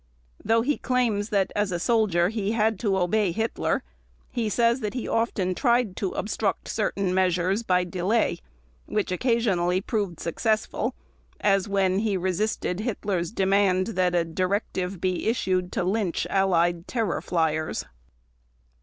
Though he claims that as a soldier he had to obey Hitler, he says that he often tried to obstruct certain measures by delay, which occasionally proved successful as when he resisted Hitler's demand that a directive be issued to lynch Allied "terror fliers".